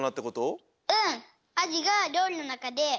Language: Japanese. うん！